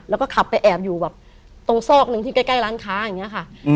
แล้วก็ขับไปแอบอยู่แบบตรงซอกหนึ่งที่ใกล้ร้านค้าอย่างนี้ค่ะ